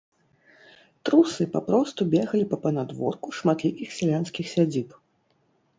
Трусы папросту бегалі па панадворку шматлікіх сялянскіх сядзіб.